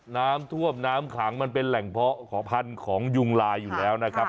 น้ำท่วมน้ำขังมันเป็นแหล่งเพาะขอพันธุ์ของยุงลายอยู่แล้วนะครับ